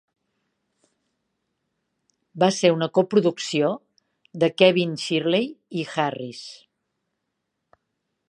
Va ser una coproducció de Kevin Shirley i Harris.